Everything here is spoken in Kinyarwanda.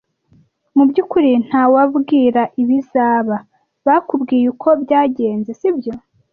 Mu byukuri ntawabwira ibizaba. Bakubwiye uko byagenze, sibyo?